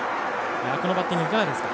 このバッティング、いかがですか。